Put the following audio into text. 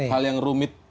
hal yang rumit